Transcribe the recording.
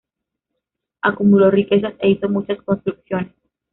Acumuló riquezas e hizo muchas construcciones.